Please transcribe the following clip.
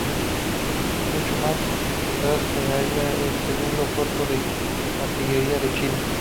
Mucho más atrás se halla el Segundo Cuerpo de Artillería de China.